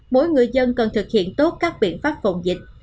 mỗi người dân cần thực hiện tốt các biện pháp phòng dịch